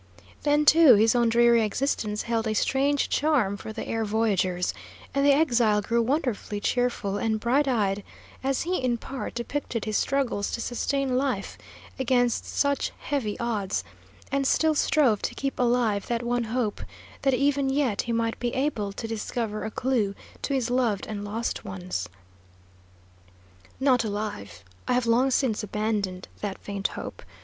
Then, too, his own dreary existence held a strange charm for the air voyagers, and the exile grew wonderfully cheerful and bright eyed as he in part depicted his struggles to sustain life against such heavy odds, and still strove to keep alive that one hope, that even yet he might be able to discover a clew to his loved and lost ones. "Not alive; I have long since abandoned that faint hope.